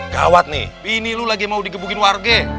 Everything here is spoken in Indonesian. gawat nih bini lo lagi mau digebukin warga